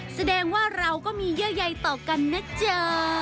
แสดงว่าเราก็มีเยื่อใยต่อกันนะจ๊ะ